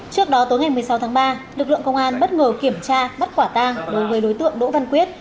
trước đó tối ngày một mươi sáu tháng ba lực lượng công an bất ngờ kiểm tra bắt quả tang đối với đối tượng đỗ văn quyết